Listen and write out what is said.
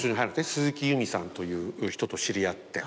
鈴木裕美さんという人と知り合って。